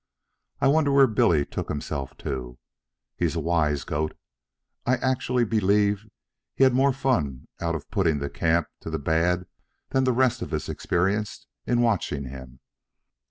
I wonder where Billy took himself to. He's a wise goat. I actually believe he had more fun out of putting the camp to the bad than the rest of us experienced in watching him."